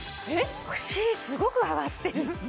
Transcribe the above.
お尻すごく上がってる。